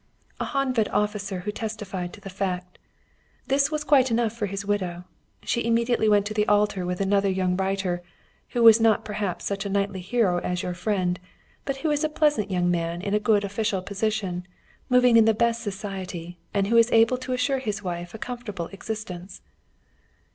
"A Honved officer who testified to the fact. This was quite enough for his widow. She immediately went to the altar with another young writer, who was not perhaps such a knightly hero as your friend, but who is a pleasant young man in a good official position, moving in the best society, and who is able to assure his wife a comfortable existence."